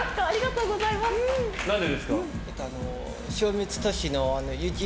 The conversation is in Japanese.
何でですか？